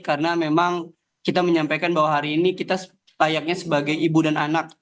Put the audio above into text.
karena memang kita menyampaikan bahwa hari ini kita layaknya sebagai ibu dan anak